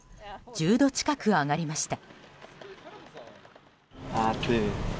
１０度近く上がりました。